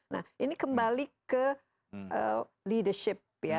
nah ini kembali ke leadership ya